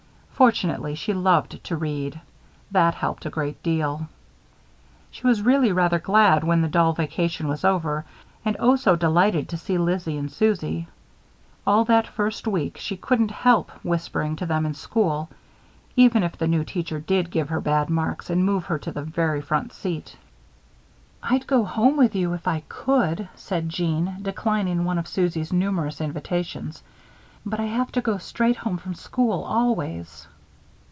Fortunately, she loved to read. That helped a great deal. She was really rather glad when the dull vacation was over and, oh, so delighted to see Lizzie and Susie! All that first week she couldn't help whispering to them in school, even if the new teacher did give her bad marks and move her to the very front seat. "I'd go home with you if I could," said Jeanne, declining one of Susie's numerous invitations, "but I have to go straight home from school, always."